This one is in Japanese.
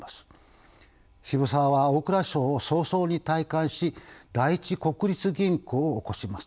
渋沢は大蔵省を早々に退官し第一国立銀行を興します。